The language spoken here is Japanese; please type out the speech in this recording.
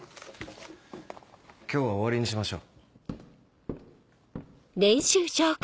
今日は終わりにしましょう。